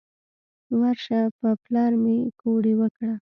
ورشه په پلار مې کوډې وکړه.